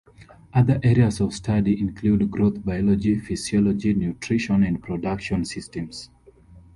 Other areas of study include growth biology, physiology, nutrition, and production systems.